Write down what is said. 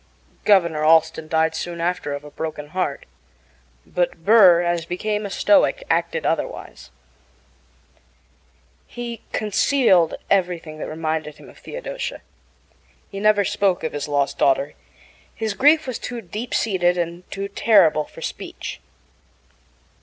Governor Allston died soon after of a broken heart; but Burr, as became a Stoic, acted otherwise. He concealed everything that reminded him of Theodosia. He never spoke of his lost daughter. His grief was too deep seated and too terrible for speech.